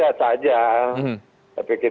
masyarakat yang terkena dampak dan kondisi kondisi